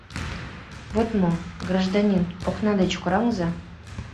— Вот мо, гражданин, окна деч кораҥза.